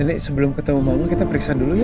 nenek sebelum ketemu mama kita periksa dulu ya